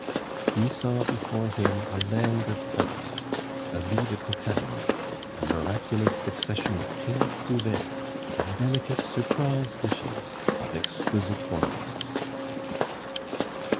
He saw before him a land of plenty a vie de cocagne, a miraculous succession of plats couverts, of delicate surprise dishes, of exquisite wines.